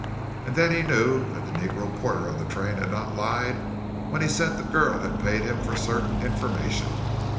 (And then he knew that the negro porter on the train had not lied when he said the girl had paid him for certain information.)